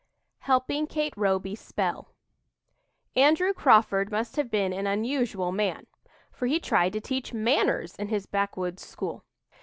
HELPING KATE ROBY SPELL Andrew Crawford must have been an unusual man, for he tried to teach "manners" in his backwoods school!